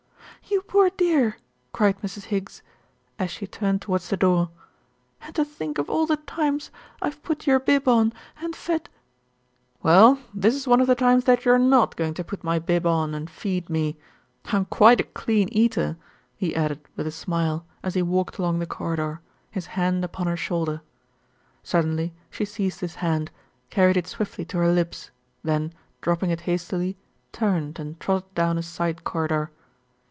"You poor dear," cried Mrs. Higgs, as she turned towards the door, "and to think of all the times I've put your bib on and fed " "Well, this is one of the times that you're not going to put my bib on and feed me. I'm quite a clean eater," he added with a smile, as he walked along the corridor, his hand upon her shoulder. Suddenly she seized his hand, carried it swiftly to her lips, then, dropping it hastily, turned and trotted down a side corridor.